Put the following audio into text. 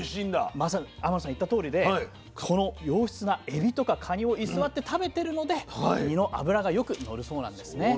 まさに天野さん言ったとおりでこの良質なエビとかカニを居座って食べてるので身の脂がよくのるそうなんですね。